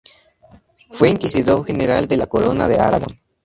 Fue Inquisidor general de la Corona de Aragón.